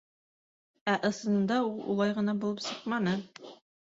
Ә ысынында ул улай ғына булып сыҡманы.